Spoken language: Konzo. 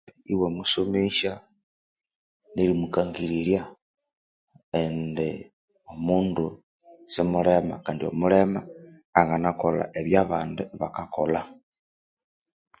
Iwamusomesya nerimukangirirya indi omundu simulima kandi omulema anganakolha ebyabandi bakakolha